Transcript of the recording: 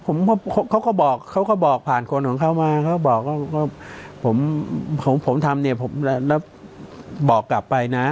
ผมเขาก็บอกเขาก็บอกผ่านคนของเขามาเขาบอกว่าผมผมทำเนี่ยผมแล้วบอกกลับไปนะ